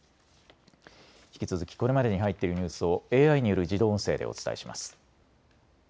引き続きこれまでに入っているニュースをＡＩによる自動音声でお伝えします。